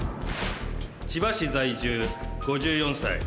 千葉市在住５４歳。